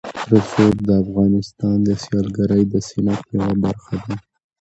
رسوب د افغانستان د سیلګرۍ د صنعت یوه برخه ده.